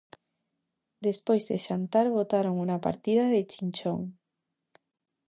Despois de xantar botaron unha partida de chinchón.